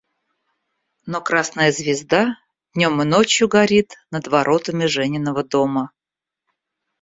Но красная звезда днем и ночью горит над воротами Жениного дома.